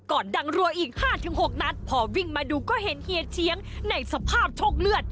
ดังรัวอีก๕๖นัดพอวิ่งมาดูก็เห็นเฮียเชียงในสภาพโชคเลือด